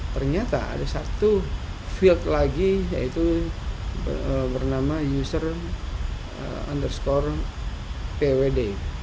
ternyata ada satu field lagi yaitu bernama user underscore pwd